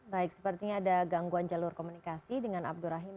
baik sepertinya ada gangguan jalur komunikasi dengan abdur rahim